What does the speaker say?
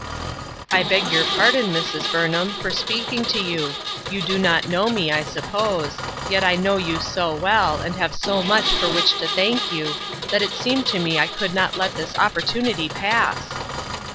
" I beg your pardon, Mrs. Burnham, for speaking to you ; you do not know me, I suppose, but I know you so well, and have so much for which to thank you, that it seemed to me I could not let this opportunity pass."